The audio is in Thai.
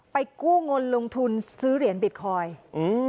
ไปกู้งนลงทุนซื้อเหรียญบิตคอยน์